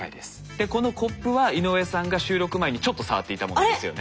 でこのコップは井上さんが収録前にちょっと触っていたものなんですよね。